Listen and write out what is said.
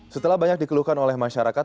setelah banyak dikeluhkan oleh masyarakat